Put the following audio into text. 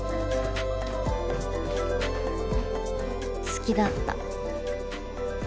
好きだった。